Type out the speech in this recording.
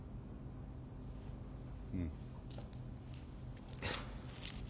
うん。